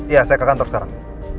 ya saya ke kantor sekarang